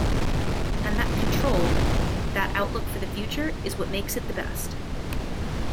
And that control, that outlook for the future, is what makes it the best.